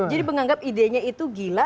jadi menganggap idenya itu gila